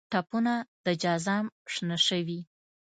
ټپونه د جزام شنه شوي